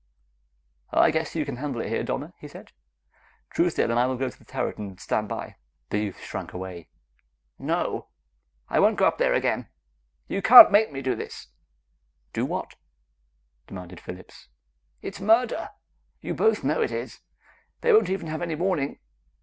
"I guess you can handle it here, Donna," he said. "Truesdale and I will go to the turret and stand by." The youth shrank away. "No! I won't go up there again! You can't make me do this!" "Do what?" demanded Phillips. "It's murder! You both know it is! They won't even have any warning."